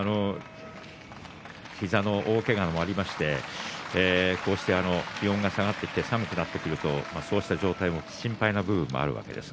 膝の大けがもありましてこうして気温が下がってきて寒くなってくるとそうした状態も心配な部分があります。